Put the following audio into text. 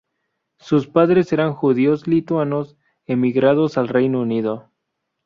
Sus padres eran judíos lituanos emigrados al Reino Unido.